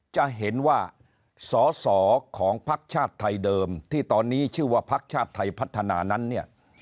จะเห็นว่าสอสอของภักดิ์ชาติไทยเดิมที่ตอนนี้ชื่อว่าพักชาติไทยพัฒนานั้นเนี่ย